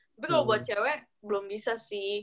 tapi kalau buat cewek belum bisa sih